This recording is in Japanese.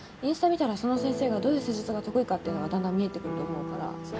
見たらその先生がどういう施術が得意かっていうのがだんだん見えてくると思うから。